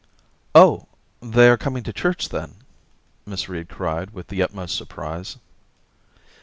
* Oh ! they are coming to church, then !' Miss Reed cried with the utmost surprise.